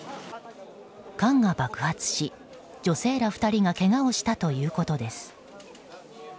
缶が爆発し、女性ら２人がけがをしたということです。